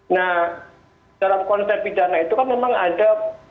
nah dalam konsep pidana itu kan memang ada